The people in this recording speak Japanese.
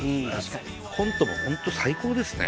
コントも本当最高ですね。